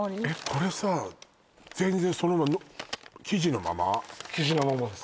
これさ全然そのまま生地のままです